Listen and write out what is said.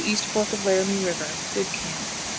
East Fork of Laramie River. Good camp.